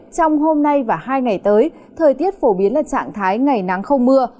trong hôm nay và hai ngày tới thời tiết phổ biến là trạng thái ngày nắng không mưa